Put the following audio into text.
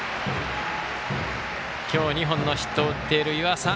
今日２本のヒットを打っている湯浅。